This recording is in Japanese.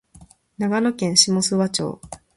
長野県下諏訪町